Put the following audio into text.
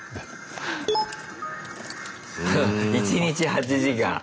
フフ１日８時間。